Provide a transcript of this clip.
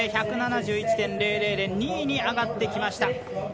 １７１．００で２位に上がってきました。